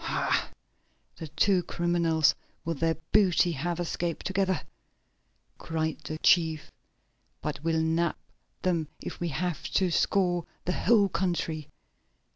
"Ha! The two criminals with their booty have escaped together!" cried the chief. "But we'll nab them if we have to scour the whole country.